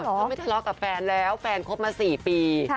เขาไม่ทะเลาะกับแฟนแล้วแฟนคบมา๔ปี